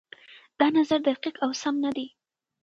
دا نظر دقيق او سم نه دی.